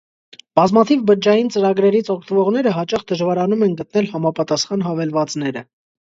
Բազմաթիվ բջջային ծրագրերից օգտվողները հաճախ դժվարանում են գտնել համապատասխան հավելվածները։